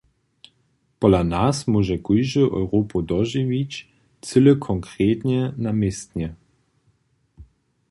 Pola nas móže kóždy Europu dožiwić, cyle konkretnje na městnje.